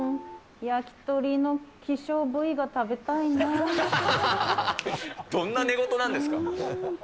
焼き鳥の希少部位が食べたいどんな寝言なんですか。